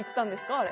あれ。